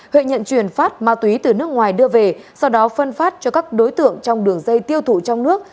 huệ nhận truyền phát ma túy từ nước ngoài đưa về sau đó phân phát cho các đối tượng trong đường dây tiêu thụ trong nước